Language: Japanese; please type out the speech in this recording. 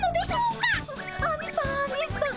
アニさんアニさん！